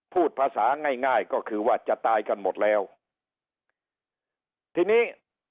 พูดภาษาง่ายง่ายก็คือว่าจะตายกันหมดแล้วทีนี้